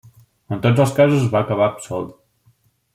En tots els casos va acabar absolt.